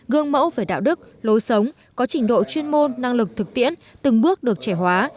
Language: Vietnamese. gương mẫu về đạo đức lối sống có trình độ chuyên môn năng lực thực tiễn từng bước được trẻ hóa